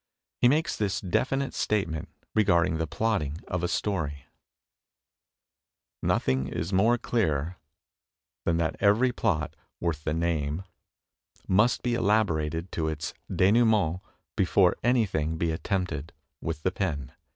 He makes this definite state ment regarding the plotting of a story: "Nothing is more clear than that every plot, worth the name, must be elaborated to its denouement before anything be attempted with the pen.